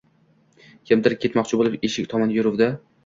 Kimdir ketmoqchi bo`lib eshik tomon yuruvdi